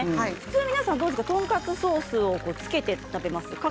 皆さんトンカツソースをつけて食べますか？